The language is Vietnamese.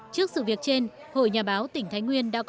trước sự việc trên hội nhà báo tỉnh thái nguyên đã có